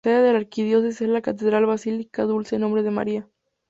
La sede de la Arquidiócesis es la Catedral Basílica Dulce Nombre de María.